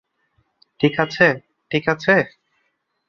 ঠিক আছে - ঠিক আছে?